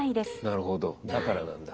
なるほどだからなんだ。